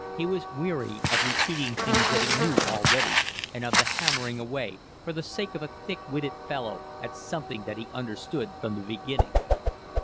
He was weary of repeating things that he knew already and of the hammering away, for the sake of a thick witted fellow, at something that he understood from the beginning.